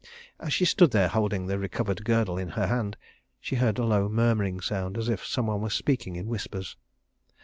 As she stood there holding the recovered girdle in her hand, she heard a low murmuring sound as if some one were speaking in whispers.